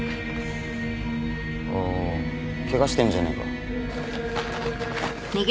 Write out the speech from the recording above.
おいおい怪我してんじゃねえか。